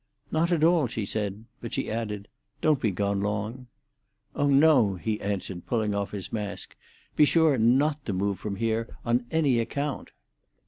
"Not at all," she said. But she added, "Don't be gone long." "Oh no," he answered, pulling off his mask. "Be sure not to move from here on any account."